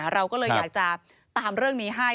เราก็เลยอยากจะตามเรื่องนี้ให้